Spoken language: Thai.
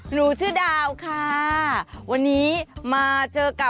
หนูชื่อดาวค่ะวันนี้มาเจอกับ